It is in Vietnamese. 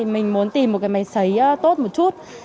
mình muốn tìm một cái máy xấy tốt một chút